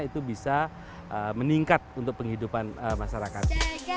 itu bisa meningkat untuk penghidupan masyarakat